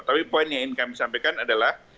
tapi poin yang ingin kami sampaikan adalah